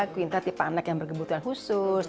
kuinta tipe anak yang bergebutan khusus